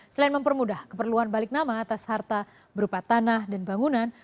selain mempermudah keperluan balik nama atas harta berupa tanah dan bangunan